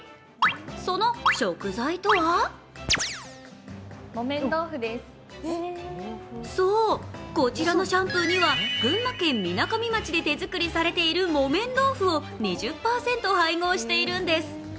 その食材とはそう、こちらのシャンプーには群馬県みなかみ町で手作りされている木綿豆腐を２０％配合しているんです。